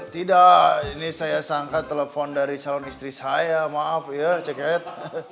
tidak ini saya sangka telepon dari calon istri saya maaf ya ceket